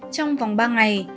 trong vòng ba ngày